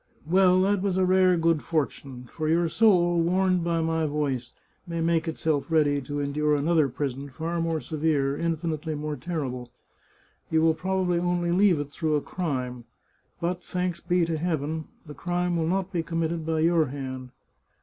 " Well, that was a rare good fortune, for your soul, warned by my voice, may make itself ready to endure an other prison, far more severe, infinitely more terrible. You will probably only leave it through a crime, but, thanks be to Heaven ! the crime will not be committed by your hand.